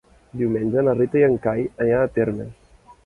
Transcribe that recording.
Diumenge na Rita i en Cai aniran a Térmens.